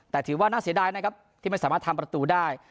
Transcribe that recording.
แต่ถือว่าน่าเสียดายนะครับที่ไม่สามารถทำประตูได้